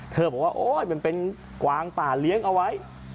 บอกว่าโอ๊ยมันเป็นกวางป่าเลี้ยงเอาไว้